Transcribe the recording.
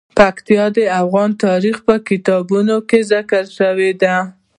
پکتیا د افغان تاریخ په کتابونو کې ذکر شوی دي.